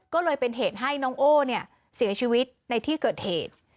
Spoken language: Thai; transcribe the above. ก็เลยเป็นเหตุให้น้องโอ้เสียชีวิตในที่เกิดเหตุ